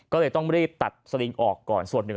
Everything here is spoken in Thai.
ก็เลยต้องรีบตัดสลิงออกก่อนส่วนหนึ่ง